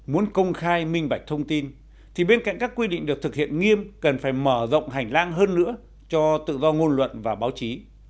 muốn công khai minh bạch thông tin thì bên cạnh các quy định được thực hiện nghiêm cần phải mở rộng hành lang hơn nữa cho tự do ngôn luận và báo chí